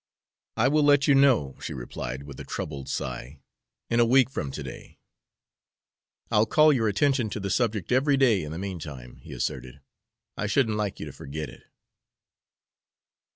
"I will let you know," she replied, with a troubled sigh, "in a week from to day." "I'll call your attention to the subject every day in the mean time," he asserted. "I shouldn't like you to forget it."